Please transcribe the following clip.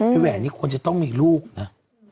แหวนนี่ควรจะต้องมีลูกนะ